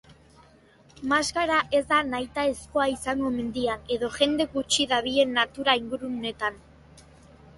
Maskara ez da nahitaezkoa izango mendian edo jende gutxi dabilen natura-inguruneetan.